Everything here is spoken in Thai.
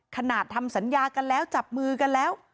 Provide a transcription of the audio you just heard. ทำสัญญากันแล้วจับมือกันแล้ว